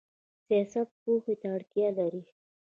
سیاست پوهې ته اړتیا لري